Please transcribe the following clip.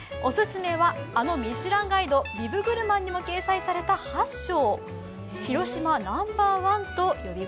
オススメはあのミシュランガイド、「ビブグルマン」にも掲載された八昌。